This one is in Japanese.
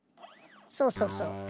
そうそうそう。